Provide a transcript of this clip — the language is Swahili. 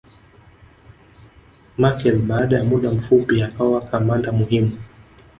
Machel baada ya muda mfupi akawa kamanda muhimu